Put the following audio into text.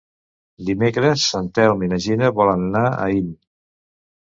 Dimecres en Telm i na Gina volen anar a Aín.